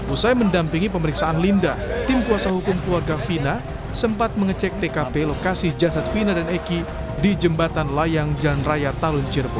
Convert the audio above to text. usai mendampingi pemeriksaan linda tim kuasa hukum keluarga vina sempat mengecek tkp lokasi jasad fina dan eki di jembatan layang jalan raya talun cirebon